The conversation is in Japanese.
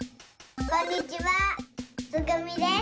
こんにちはつぐみです。